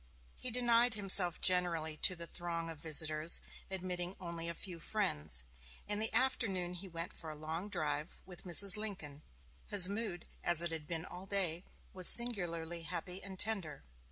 He denied himself generally to the throng of visitors, admitting only a few friends. In the afternoon he went for a long drive with Mrs. Lincoln. His mood, as it had been all day, was singularly happy and tender.